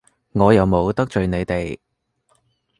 我又冇得罪你哋！